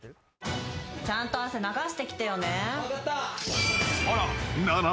「ちゃんと汗流してきてよね」